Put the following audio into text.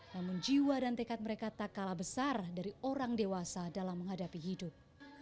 namun jiwa dan tekad mereka tak kalah besar dari orang dewasa dalam menghadapi hidup